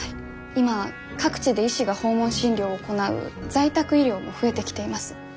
今各地で医師が訪問診療を行う在宅医療も増えてきています。